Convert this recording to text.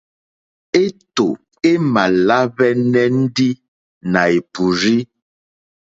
Étò é mà lá hwɛ́nɛ́ ndí nà è pùrzí.